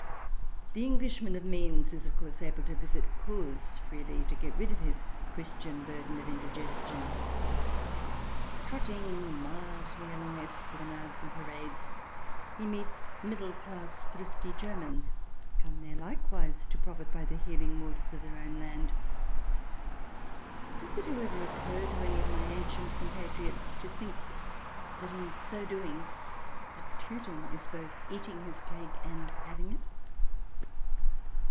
The Englishman of means is, of course, able to visit Kurs freely, to get rid of his Christian burden of indigestion. Trotting mildly along esplanades and parades he meets middle class thrifty Germans, come there likewise to profit by the healing waters of their own land. Does it, how ever, occur to any of my ancient compatriots to think that in so doing the Teuton is both eating his cake and having it